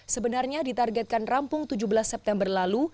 sebenarnya ditargetkan rampung tujuh belas september lalu